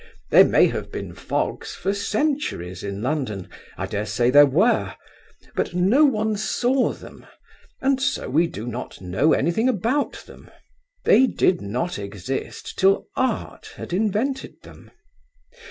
There may have been fogs for centuries in London. I dare say there were. But no one saw them, and so we do not know anything about them. They did not exist till Art had invented them.